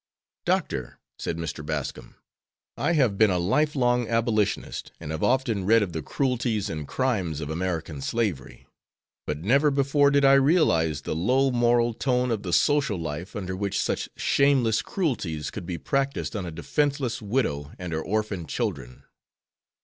"Doctor," said Mr. Bascom, "I have been a life long Abolitionist and have often read of the cruelties and crimes of American slavery, but never before did I realize the low moral tone of the social life under which such shameless cruelties could be practiced on a defenseless widow and her orphaned children.